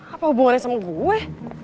apa hubungannya sama gue